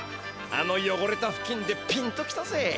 あのよごれたふきんでピンと来たぜ！